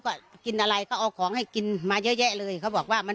ก็กินอะไรเขาเอาของให้กินมาเยอะแยะเลยเขาบอกว่ามัน